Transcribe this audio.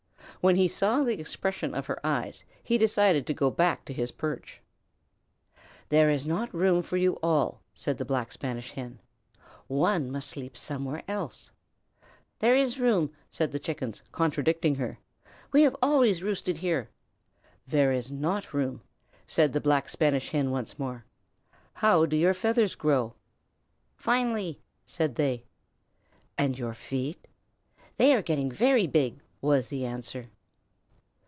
When he saw the expression of her eyes he decided to go back to his perch. "There is not room for you all," said the Black Spanish Hen. "One must sleep somewhere else." "There is room," said the Chickens, contradicting her. "We have always roosted on here." "There is not room," said the Black Spanish Hen once more. "How do your feathers grow?" "Finely," said they. "And your feet?" "They are getting very big," was the answer.